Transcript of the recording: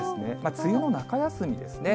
梅雨の中休みですね。